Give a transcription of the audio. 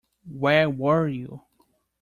Where were you?